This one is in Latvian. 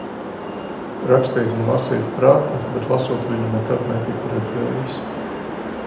Rakstīt un lasīt prata, bet lasot viņu nekad netiku redzējis.